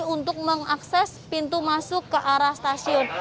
untuk mengakses pintu masuk ke arah stasiun